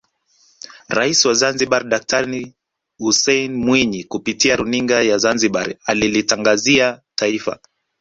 Rais wa Zanzibari Daktari Hussein Mwinyi kupitia runinga ya Zanzibari alilitangazia Taifa